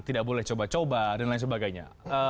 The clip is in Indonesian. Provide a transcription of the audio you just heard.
tidak boleh coba coba dan lain sebagainya